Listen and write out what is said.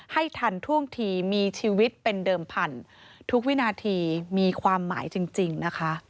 ทันท่วงทีมีชีวิตเป็นเดิมพันธุ์ทุกวินาทีมีความหมายจริงนะคะ